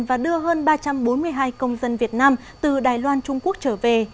và đưa hơn ba trăm bốn mươi hai công dân việt nam từ đài loan trung quốc trở về